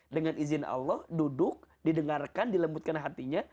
dengan izin allah duduk didengarkan dilembutkan hatinya